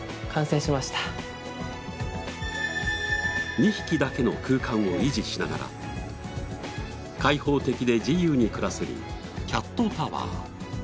２匹だけの空間を維持しながら開放的で自由に暮らせるキャットタワー。